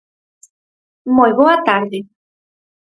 Moi boa tarde.